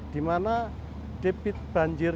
dimana debit banjir